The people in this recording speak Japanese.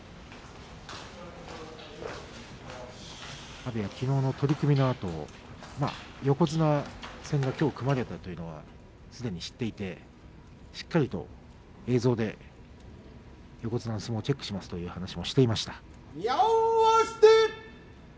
阿炎はきのうの取組のあと横綱戦がきょう組まれたというのは、すでに知っていてしっかりと映像で横綱の相撲をチェックするという話をしていました。